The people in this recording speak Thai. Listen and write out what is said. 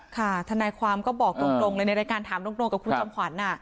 ทนายความก็บอกตรงเลยในรายการถามตรงกับคุณจอมขวัญ